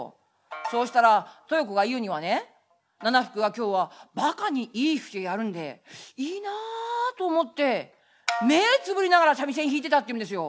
そうしたら豊子が言うにはね奈々福が今日はバカにいい節をやるんでいいなと思って目ぇつぶりながら三味線弾いてたってんですよ。